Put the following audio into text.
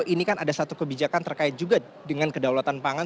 ini kan ada satu kebijakan terkait juga dengan kedaulatan pangan